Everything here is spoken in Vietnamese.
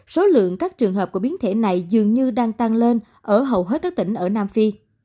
số lượng các trường hợp của biến thể này dường như đang tăng lên ở hầu hết các tỉnh ở nam phi